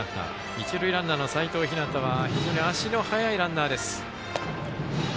一塁ランナーの齋藤陽は非常に足の速いランナーです。